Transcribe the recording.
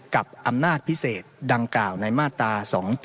กับอำนาจพิเศษดังกล่าวในมาตรา๒๗